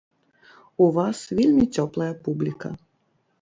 У вас вельмі цёплая публіка!